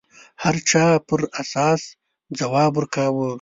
هر چا پر اساس ځواب ورکاوه